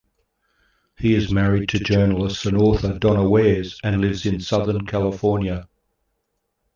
He is married to journalist and author Donna Wares and lives in Southern California.